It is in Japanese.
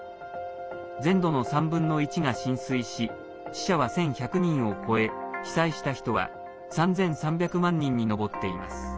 全土の３分の１が浸水し死者は１１００人を超え被災した人は３３００万人に上っています。